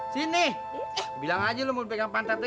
sini bilang aja lo mau pegang pantatnya kan